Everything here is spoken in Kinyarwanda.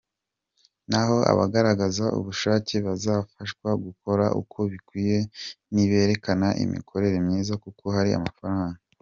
Naho abagaragaza ubushake bazafashwa gukora uko bikwiye niberekana imikorere myiza kuko hari amafaranga.